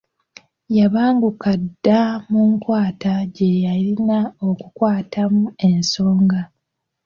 Yabanguka dda mu nkwata gye yalina okukwatamu ensonga.